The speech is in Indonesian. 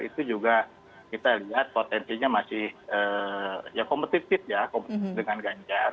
itu juga kita lihat potensinya masih ya kompetitif ya dengan ganjar